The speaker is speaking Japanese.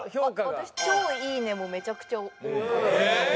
私「超いいね」もめちゃくちゃ多かった。